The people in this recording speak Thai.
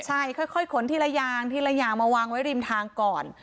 ใช่ค่อยขนทีละอย่างทีละอย่างมาวางไว้ริมทางก่อน